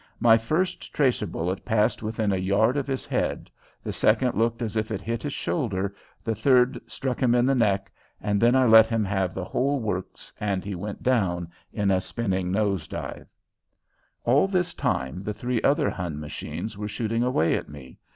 My first tracer bullet passed within a yard of his head, the second looked as if it hit his shoulder, the third struck him in the neck, and then I let him have the whole works and he went down in a spinning nose dive. All this time the three other Hun machines were shooting away at me.